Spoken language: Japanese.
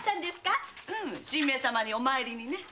神明様にお参りにね。